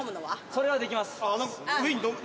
それはできます。